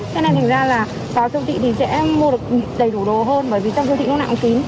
cho nên thành ra là vào siêu thị thì sẽ mua được đầy đủ đồ hơn bởi vì trong siêu thị nó nạo cũng kín